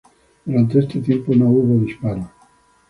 Durante este tiempo, no hubo disparos.